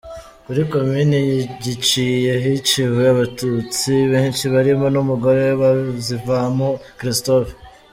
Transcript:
Kuri Komini Giciye, hiciwe abatutsi benshi barimo n’umugore wa Bazivamo Christophe.